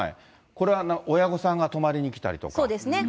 これは親御さんが泊りに来たりとそうですね。